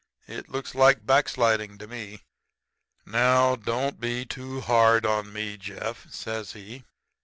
It looks like back sliding to me.' "'Now, don't be too hard on me, Jeff,' says he.